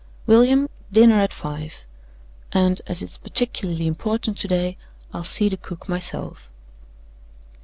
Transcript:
William, dinner at five; and, as it's particularly important to day, I'll see the cook myself."